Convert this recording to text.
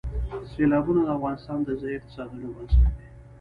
سیلابونه د افغانستان د ځایي اقتصادونو یو بنسټ دی.